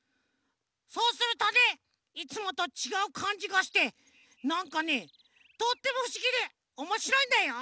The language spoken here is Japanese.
そうするとねいつもとちがうかんじがしてなんかねとってもふしぎでおもしろいんだよ！